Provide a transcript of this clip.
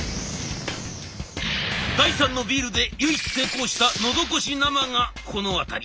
第三のビールで唯一成功したのどごし生がこの辺り。